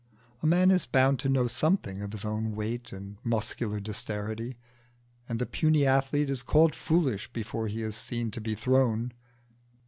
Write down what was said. A man is bound to know something of his own weight and muscular dexterity, and the puny athlete is called foolish before he is seen to be thrown.